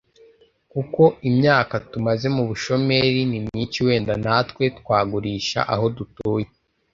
kuko imyaka tumaze mu bushomeri ni myinshi wenda natwe twagurisha aho dutuye